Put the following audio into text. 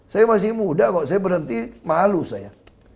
saya masih muda kok saya berhenti malu saya